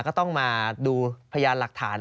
ก็ต้องมาดูพยานหลักฐาน